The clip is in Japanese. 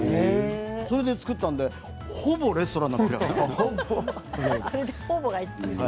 それで作ったのでほぼレストランの味です。